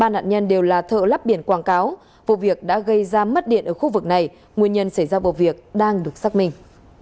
ba nạn nhân đều là thợ lắp biển quảng cáo vụ việc đã gây ra mất điện ở khu vực này nguyên nhân xảy ra vụ việc đang được xác minh